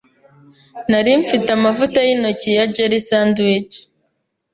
Nari mfite amavuta yintoki na jelly sandwich.